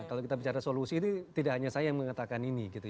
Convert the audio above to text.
kalau kita bicara solusi itu tidak hanya saya yang mengatakan ini gitu